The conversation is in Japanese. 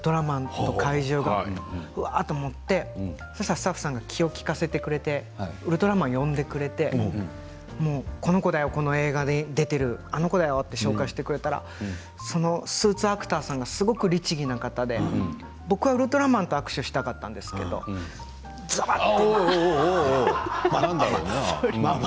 すごくうれしくて本当に戦っていてウルトラマンと怪獣がスタッフさんが気を利かせてくれて「ウルトラマン」に呼んでくれてこの映画に出ているあの子だよと紹介してくれたらスーツアクターさんがすごく律儀な方で僕はウルトラマンと握手したかったんですけどばさっと。